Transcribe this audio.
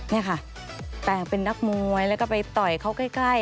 นี่ค่ะแต่งเป็นนักมวยแล้วก็ไปต่อยเขาใกล้